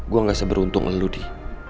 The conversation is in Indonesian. gue gak seberuntung leluh di